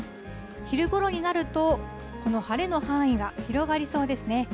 昼ごろになると、この晴れの範囲が広がりそうですね。